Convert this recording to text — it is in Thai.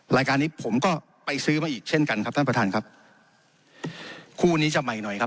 รายการนี้ผมก็ไปซื้อมาอีกเช่นกันครับท่านประธานครับคู่นี้จะใหม่หน่อยครับ